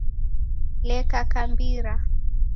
Leka kambira